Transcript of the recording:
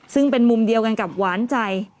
ซึ่งเป็นมุมเดียวกันกับหวานใจ